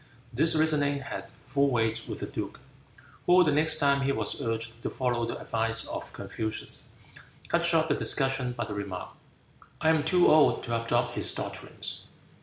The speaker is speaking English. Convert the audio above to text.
This reasoning had full weight with the duke, who the next time he was urged to follow the advice of Confucius, cut short the discussion by the remark, "I am too old to adopt his doctrines."